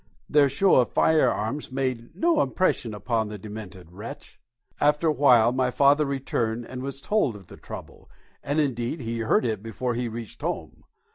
Their show of firearms made no impression upon the demented wretch. After awhile my father returned and was told of the trouble, and indeed he heard it before he reached home.